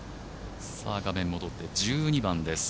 画面戻って１２番です。